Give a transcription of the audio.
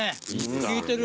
効いてる。